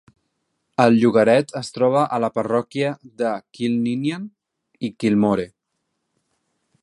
El llogaret es troba a la parròquia de Kilninian i Kilmore.